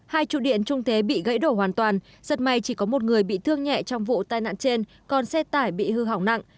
hai trụ điện trung thế bị gãy đổ hoàn toàn rất may chỉ có một người bị thương nhẹ trong vụ tai nạn trên còn xe tải bị hư hỏng nặng